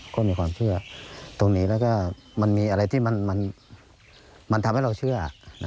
ก็มีความเชื่อตรงนี้แล้วก็มันมีอะไรที่มันทำให้เราเชื่อ